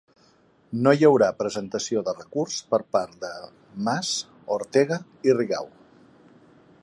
No hi haurà presentació de recurs per part de Mas, Ortega i Rigau